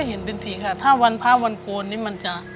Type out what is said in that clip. เห็นเป็นผีค่ะถ้าวันพระวันโกนนี่มันจะ